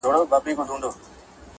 بل بحث د استاد مرهون خبري